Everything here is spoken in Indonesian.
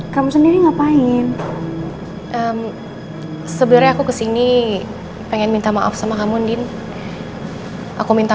kamu sendiri ngapain sebenarnya aku kesini pengen minta maaf sama kamu din aku minta